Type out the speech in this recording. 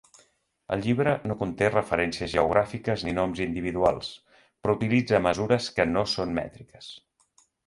El llibre no conté referències geogràfiques ni noms individuals, però utilitza mesures que no són mètriques.